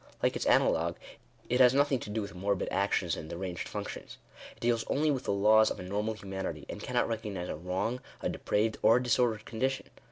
Like its analogue, it has nothing to do with morbid actions and de ranged functions. It deals only with the laws of a normal humanity, and cannot recognise a wrong, a depraved, or a disordered condition.